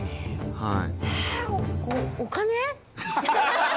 はい。